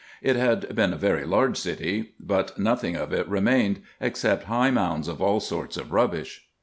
It had been a very large city ; but nothing of it remained, except high mounds of all sorts of rubbish.